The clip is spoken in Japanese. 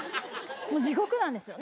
もう地獄なんですよ。